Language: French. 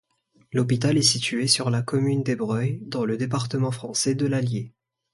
L'hôpital est situé sur la commune d'Ébreuil, dans le département français de l'Allier.